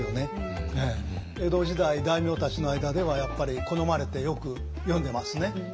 江戸時代大名たちの間ではやっぱり好まれてよく読んでますね。